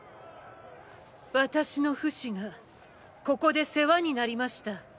私のフシがここで世話になりました。